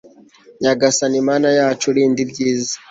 nyagasani mana yacu, rinda ibyiza